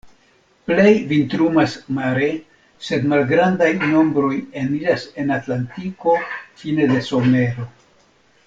Plej vintrumas mare, sed malgrandaj nombroj eniras en Atlantiko fine de somero.